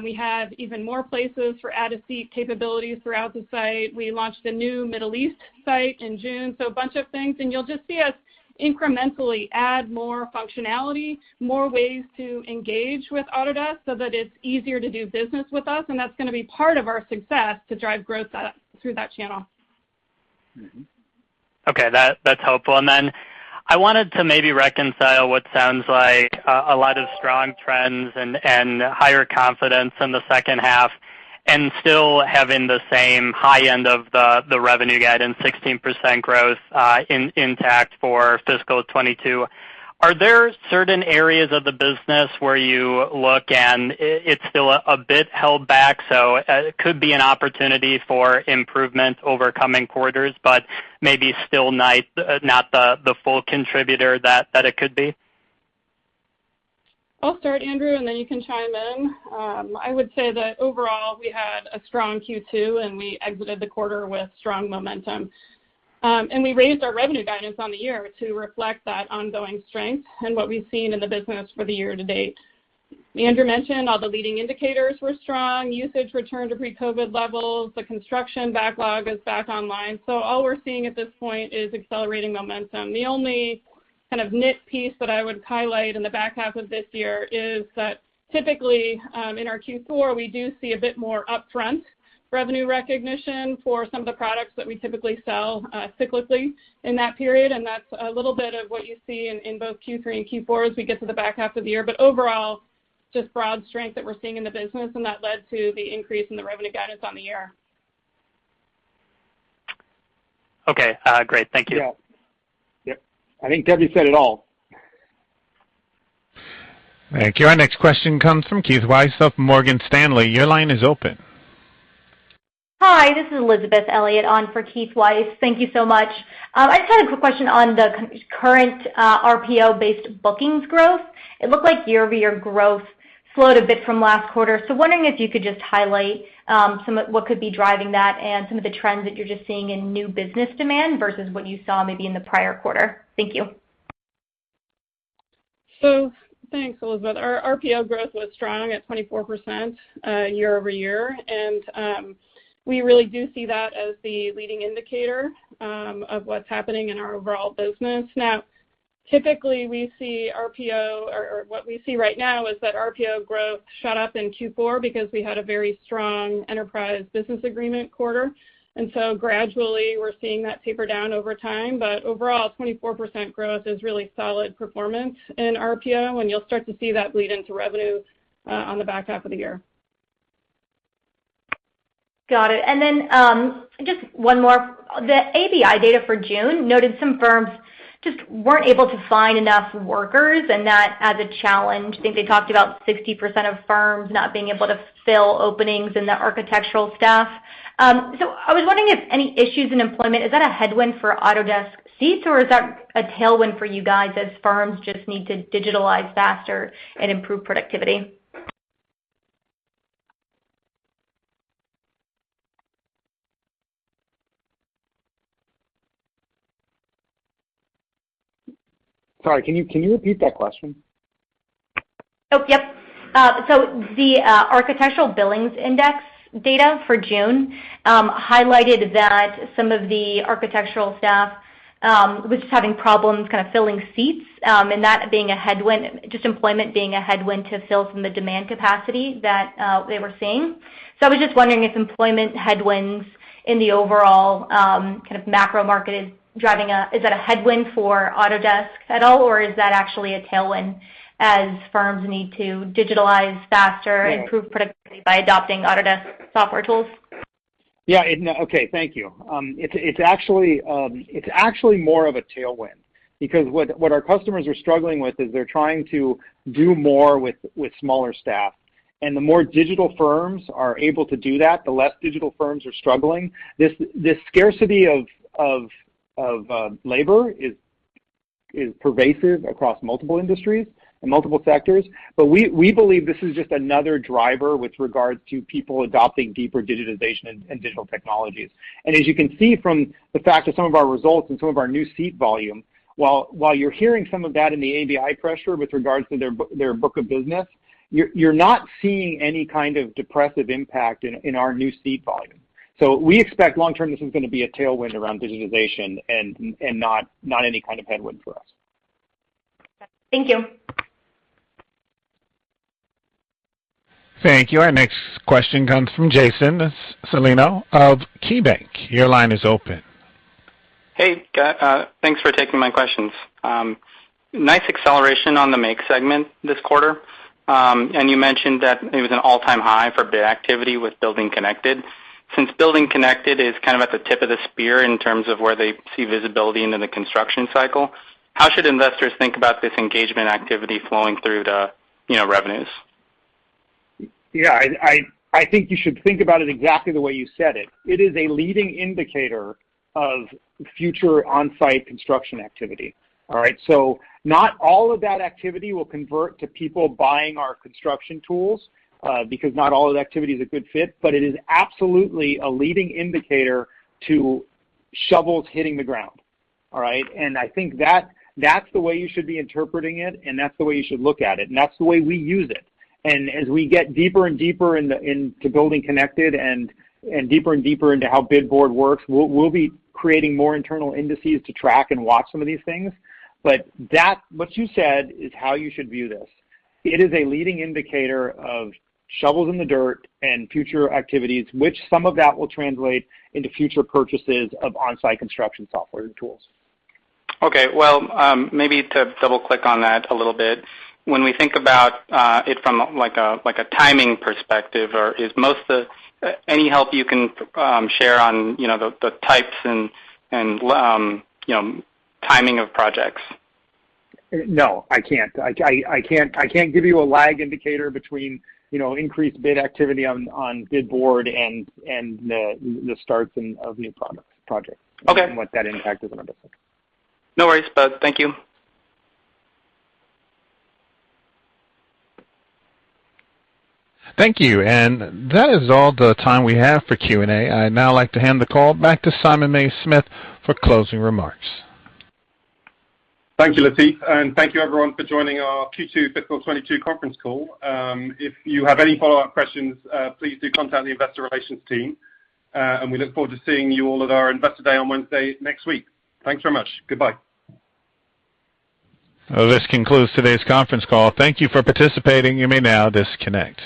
S4: We have even more places for add-a-seat capabilities throughout the site. We launched a new Middle East site in June. A bunch of things, and you'll just see us incrementally add more functionality, more ways to engage with Autodesk so that it's easier to do business with us, and that's going to be part of our success to drive growth through that channel.
S10: Okay. That's helpful. I wanted to maybe reconcile what sounds like a lot of strong trends and higher confidence in the second half and still having the same high end of the revenue guidance, 16% growth, intact for fiscal 2022. Are there certain areas of the business where you look and it's still a bit held back, so could be an opportunity for improvement over coming quarters, but maybe still not the full contributor that it could be?
S4: I'll start, Andrew, then you can chime in. I would say that overall, we had a strong Q2, and we exited the quarter with strong momentum. We raised our revenue guidance on the year to reflect that ongoing strength and what we've seen in the business for the year to date. Andrew mentioned all the leading indicators were strong. Usage returned to pre-COVID levels. The construction backlog is back online. All we're seeing at this point is accelerating momentum. The only kind of nit piece that I would highlight in the back half of this year is that typically, in our Q4, we do see a bit more upfront revenue recognition for some of the products that we typically sell cyclically in that period, and that's a little bit of what you see in both Q3 and Q4 as we get to the back half of the year. Overall, just broad strength that we're seeing in the business, and that led to the increase in the revenue guidance on the year.
S10: Okay. Great. Thank you.
S3: Yeah. I think Debbie said it all.
S1: Thank you. Our next question comes from Keith Weiss of Morgan Stanley. Your line is open.
S11: Hi, this is Elizabeth Elliott on for Keith Weiss. Thank you so much. I just had a quick question on the current RPO-based bookings growth. It looked like year-over-year growth slowed a bit from last quarter. Wondering if you could just highlight what could be driving that and some of the trends that you're just seeing in new business demand versus what you saw maybe in the prior quarter. Thank you.
S4: Thanks, Elizabeth. Our RPO growth was strong at 24% year-over-year. We really do see that as the leading indicator of what's happening in our overall business. Typically, what we see right now is that RPO growth shot up in Q4 because we had a very strong enterprise business agreement quarter. Gradually, we're seeing that taper down over time. Overall, 24% growth is really solid performance in RPO, and you'll start to see that bleed into revenue, on the back half of the year.
S11: Got it. Just one more. The ABI data for June noted some firms just weren't able to find enough workers, and that as a challenge. I think they talked about 60% of firms not being able to fill openings in the architectural staff. I was wondering if any issues in employment, is that a headwind for Autodesk seats, or is that a tailwind for you guys as firms just need to digitalize faster and improve productivity?
S3: Sorry, can you repeat that question?
S11: Yep. The Architecture Billings Index data for June, highlighted that some of the architectural staff was just having problems filling seats, and that being a headwind, just employment being a headwind to fill from the demand capacity that they were seeing. I was just wondering if employment headwinds in the overall macro market Is that a headwind for Autodesk at all, or is that actually a tailwind as firms need to digitalize faster, improve productivity by adopting Autodesk software tools?
S3: Yeah. Okay, thank you. It's actually more of a tailwind because what our customers are struggling with is they're trying to do more with smaller staff. The more digital firms are able to do that, the less digital firms are struggling. This scarcity of labor is pervasive across multiple industries and multiple sectors. We believe this is just another driver with regards to people adopting deeper digitization and digital technologies. As you can see from the fact that some of our results and some of our new seat volume, while you're hearing some of that in the ABI pressure with regards to their book of business, you're not seeing any kind of depressive impact in our new seat volume. We expect long term, this is going to be a tailwind around digitization and not any kind of headwind for us.
S11: Thank you.
S1: Thank you. Our next question comes from Jason Celino of KeyBanc. Your line is open.
S12: Hey, guys. Thanks for taking my questions. Nice acceleration on the Make segment this quarter. You mentioned that it was an all-time high for bid activity with BuildingConnected. Since BuildingConnected is at the tip of the spear in terms of where they see visibility into the construction cycle, how should investors think about this engagement activity flowing through the revenues?
S3: Yeah, I think you should think about it exactly the way you said it. It is a leading indicator of future on-site construction activity. All right. Not all of that activity will convert to people buying our construction tools, because not all of the activity is a good fit, but it is absolutely a leading indicator to shovels hitting the ground. All right. I think that's the way you should be interpreting it, and that's the way you should look at it. That's the way we use it. As we get deeper and deeper into BuildingConnected and deeper and deeper into how Bid Board works, we'll be creating more internal indices to track and watch some of these things. What you said is how you should view this. It is a leading indicator of shovels in the dirt and future activities, which some of that will translate into future purchases of on-site construction software and tools.
S12: Okay. Well, maybe to double-click on that a little bit. When we think about it from a timing perspective, any help you can share on the types and timing of projects?
S3: No, I can't. I can't give you a lag indicator between increased bid activity on Bid Board and the starts of new projects.
S12: Okay.
S3: What that impact is on our business.
S12: No worries, bud. Thank you.
S1: Thank you. That is all the time we have for Q&A. I'd now like to hand the call back to Simon Mays-Smith for closing remarks.
S2: Thank you, Lateef, and thank you everyone for joining our Q2 fiscal 2022 conference call. If you have any follow-up questions, please do contact the investor relations team. We look forward to seeing you all at our Investor Day on Wednesday next week. Thanks very much. Goodbye.
S1: This concludes today's conference call. Thank you for participating. You may now disconnect.